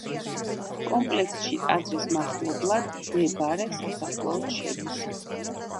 კომპლექსში ტაძრის მახლობლად მდებარე სასაფლაოც შედის.